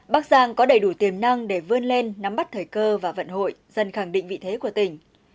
bắc giang có đầy đủ tiềm năng để vươn lên nắm bắt thời cơ và vận hội dần khẳng định vị thế của tỉnh